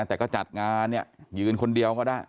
แต่ก็จัดงานเนี่ยยืนคนเดียวก็ได้